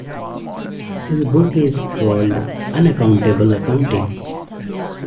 His book is called "Unaccountable Accounting".